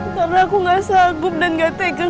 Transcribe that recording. karena aku gak sagut dan gak tegang